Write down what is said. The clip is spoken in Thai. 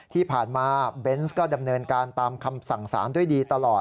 ที่ผ่านมาเบนส์ก็ดำเนินการตามคำสั่งสารด้วยดีตลอด